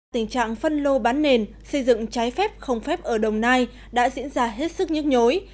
tình trạng phân lô bán nền xây dựng trái phép không phép ở đồng nai đã diễn ra hết sức nhức nhối